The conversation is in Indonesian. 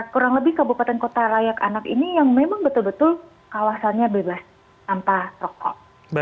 kurang lebih kabupaten kota layak anak ini yang memang betul betul kawasannya bebas tanpa rokok